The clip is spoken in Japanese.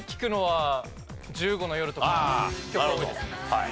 はい。